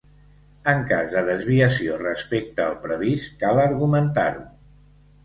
En cas de desviació respecte al previst, cal argumentar-ho.